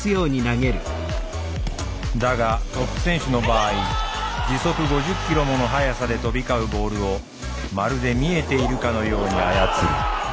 だがトップ選手の場合時速５０キロもの速さで飛び交うボールをまるで見えているかのように操る。